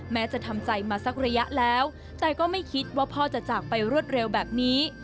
จะทำใจมาสักระยะแล้วแต่ก็ไม่คิดว่าพ่อจะจากไปรวดเร็วแบบนี้